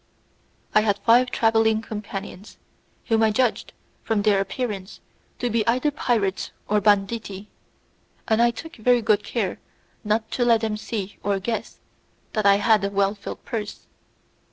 I had five travelling companions, whom I judged, from their appearance, to be either pirates or banditti, and I took very good care not to let them see or guess that I had a well filled purse.